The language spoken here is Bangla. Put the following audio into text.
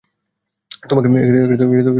তোমাকে মাফ করলাম।